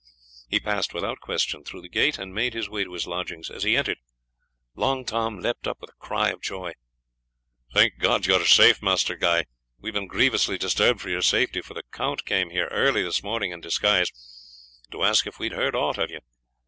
He passed without question through the gate, and made his way to his lodgings. As he entered Long Tom leapt up with a cry of joy. "Thank God that you are safe, Master Guy! We have been grievously disturbed for your safety, for the count came here early this morning in disguise to ask if we had heard aught of you.